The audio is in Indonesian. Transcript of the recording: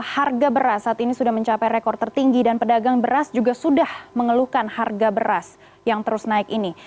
harga beras saat ini sudah mencapai rekor tertinggi dan pedagang beras juga sudah mengeluhkan harga beras yang terus naik ini